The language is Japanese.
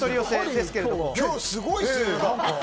今日、すごいですね。